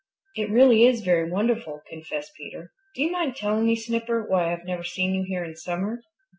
"It really is very wonderful," confessed Peter. "Do you mind telling me, Snipper, why I never have seen you here in summer?"